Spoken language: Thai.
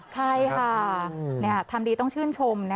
ใช่ค่ะทำดีต้องชื่นชม